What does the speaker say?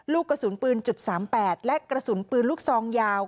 ลูกกระสุนปืน๓๘และกระสุนปืนลูกซองยาว